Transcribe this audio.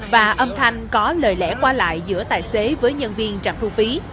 và âm thanh có lời lẽ qua lại giữa tài xế với nhân viên trạm thu phí